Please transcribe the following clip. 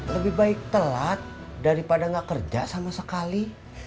lebih baik telat daripada nggak kerja sama sekali